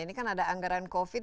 ini kan ada anggaran covid